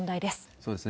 そうですね。